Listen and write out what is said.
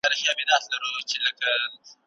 د خېټې غوړ دوه ډوله وي.